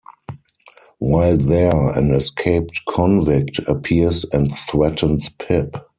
While there, an escaped convict appears and threatens Pip.